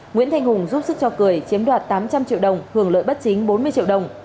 nguyễn thanh hùng giúp sức cho cười chiếm đoạt tám trăm linh triệu đồng hưởng lợi bất chính bốn mươi triệu đồng